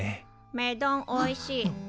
目丼おいしい。